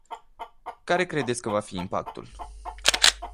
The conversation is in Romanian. Care credeți că va fi impactul?